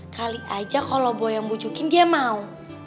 kali aja kalo boy yang bujukin dia mau